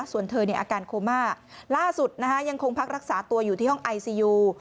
ส่วนเธอเนี่ยอาการโคม่าล่าสุดนะคะยังคงพักรักษาตัวอยู่ที่ห้องไอซียู